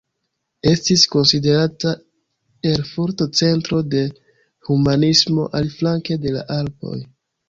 Estis konsiderata Erfurto centro de humanismo aliflanke de la Alpoj.